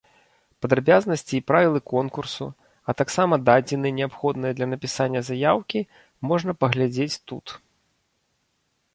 Падрабязнасці і правілы конкурсу, а таксама дадзеныя неабходныя для напісання заяўкі можна паглядзець тут.